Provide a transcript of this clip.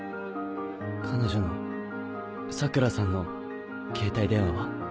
彼女の桜良さんの携帯電話は？